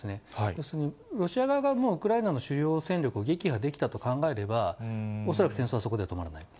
要するにロシア側は、もうウクライナ側の主要戦力を撃破できたと考えれば、恐らく戦争はそこで止まる。